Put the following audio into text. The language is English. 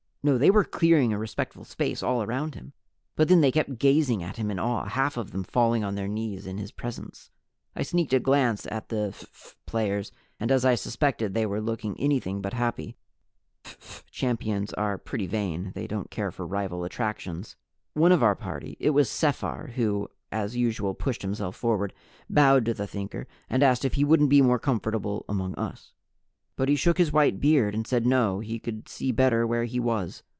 No, they were clearing a respectful space all around him, but then they kept gazing at him in awe, half of them falling on their knees in his presence. I sneaked a glance at the phph players, and as I suspected they were looking anything but happy. Phph champions are pretty vain. They don't care for rival attractions. One of our party it was Sephar, who as usual pushed himself forward bowed to the Thinker and asked if he wouldn't be more comfortable among us. But he shook his white head and said no, he could see better where he was.